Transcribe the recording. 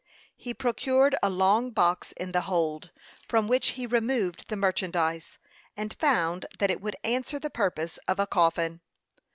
He procured a long box in the hold, from which he removed the merchandise, and found that it would answer the purpose of a coffin.